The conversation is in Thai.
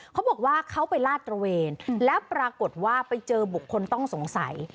เขาบอกว่าเขาไปลาดตระเวนแล้วปรากฏว่าไปเจอบุคคลต้องสงสัย